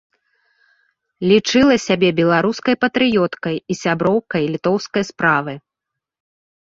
Лічыла сябе беларускай патрыёткай і сяброўкай літоўскай справы.